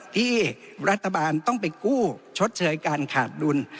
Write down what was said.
ที่รัฐบาลต้องไปกู้ชดเชยการขาดดุล